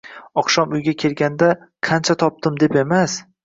Oqshom uyga kelganda «qan-cha topdim», deb emas